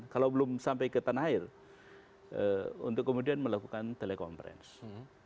kalau belum sampai ke tanah air untuk kemudian melakukan telekonferensi